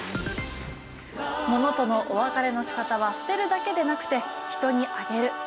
「物とのお別れの仕方は捨てるだけでなくて“人にあげる”